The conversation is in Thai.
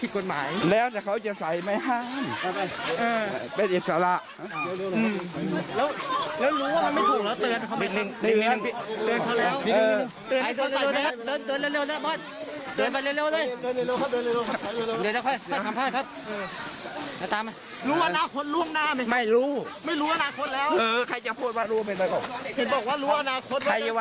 ใครจะพูดว่ารู้ไปแบบนี้